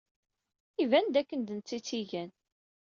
Iban dakken d netta ay tt-igan.